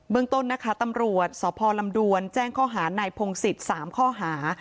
ต้นนะคะตำรวจสพลำดวนแจ้งข้อหานายพงศิษย์๓ข้อหา